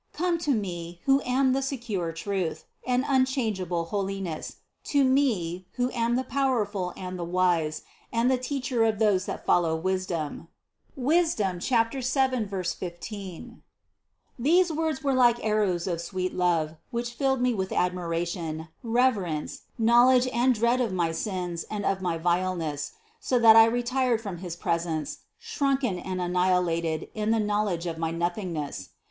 Come to Me, who am the secure truth, and unchangeable holiness, to Me, who am the Powerful and the Wise, and the Teacher of those that follow wisdom (Wis. 7, 15). 3. These words were like arrows of sweet love, which filled me with admiration, reverence, knowledge and dread of my sins and of my vileness, so that I retired from his presence, shrunken and annihilated in the knowledge of my nothingness.